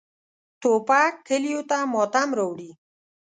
توپک کلیو ته ماتم راوړي.